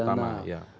jadi bukti utama ya